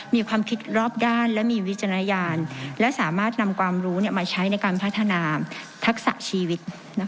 มีความคิดรอบด้านและมีวิจารณญาณและสามารถนำความรู้มาใช้ในการพัฒนาทักษะชีวิต